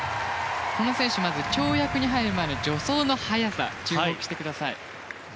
この選手は跳躍に入る前の助走の速さも注目してください。